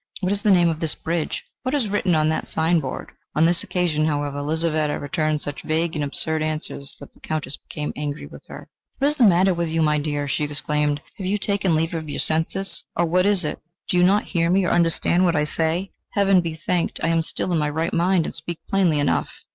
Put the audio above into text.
What is the name of this bridge? What is written on that signboard?" On this occasion, however, Lizaveta returned such vague and absurd answers, that the Countess became angry with her. "What is the matter with you, my dear?" she exclaimed. "Have you taken leave of your senses, or what is it? Do you not hear me or understand what I say?... Heaven be thanked, I am still in my right mind and speak plainly enough!"